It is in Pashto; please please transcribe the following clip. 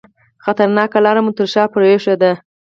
خطرناکه لار مو تر شاه پرېښوده.